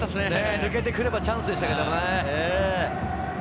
抜けて来ればチャンスでしたけれどね。